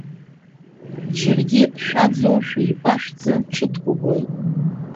Џьаргьы шәаӡоушәа ипашәӡа, ҽыҭк убоит.